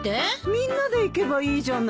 みんなで行けばいいじゃない？